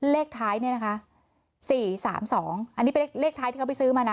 เลขท้ายเนี่ยนะคะ๔๓๒อันนี้เป็นเลขท้ายที่เขาไปซื้อมานะ